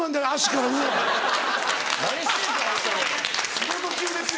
仕事中ですよ。